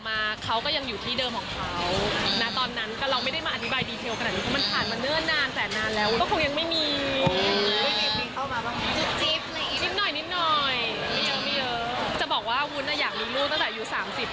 ว่าเพราะอะไรจริงตอนนี้ก็ยังไม่มีใครเดาถูกเท่าที่วุ้นรู้